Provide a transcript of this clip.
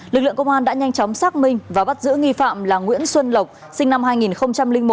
lực lượng công an đã nhanh chóng xác minh và bắt giữ nghi phạm là nguyễn xuân lộc sinh năm hai nghìn một